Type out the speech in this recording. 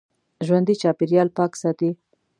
ژوندي چاپېریال پاک ساتي